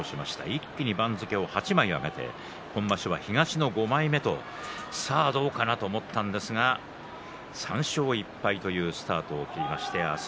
一気に番付を８枚上げて今場所は東の５枚目さあどうかなと思ったんですが３勝１敗のスタートを切りました豪ノ山。